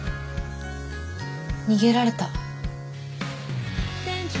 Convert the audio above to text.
逃げられた。